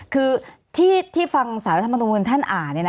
คือที่ฟังสารธรรมนุมืนท่านอ่าน